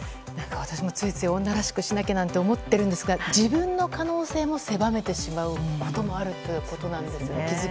私も、ついつい女らしくしなきゃなんて思っているんですが自分の可能性も狭めてしまうこともあるということなんですね。